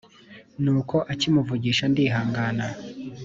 nuko akimvugisha ndihangana